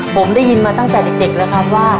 ผมได้ยินมาตั้งแต่เด็กแล้วครับว่า